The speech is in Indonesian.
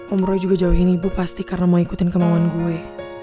umroh juga jauhin ibu pasti karena mau ikutin kemauan gue